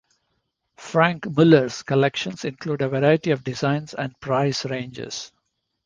Franck Muller's collections include a variety of designs and price ranges.